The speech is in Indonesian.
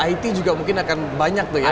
it juga mungkin akan banyak tuh ya